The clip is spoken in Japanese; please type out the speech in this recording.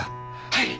はい。